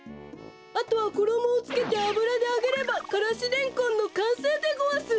あとはころもをつけてあぶらであげればからしレンコンのかんせいでごわす！